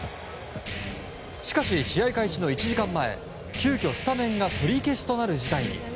しかし、試合開始の１時間前急きょ、スタメンが取り消しとなる事態に。